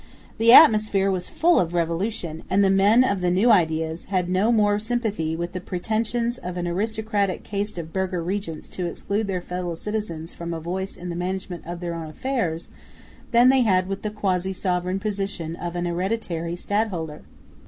The atmosphere was full of revolution; and the men of the new ideas had no more sympathy with the pretensions of an aristocratic caste of burgher regents to exclude their fellow citizens from a voice in the management of their own affairs, than they had with the quasi sovereign position of an hereditary stadholder.